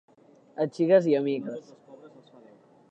A xiques i a miques.